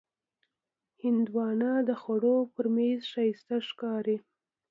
هندوانه د خوړو پر میز ښایسته ښکاري.